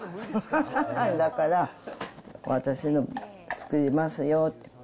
だから、私が作りますよって。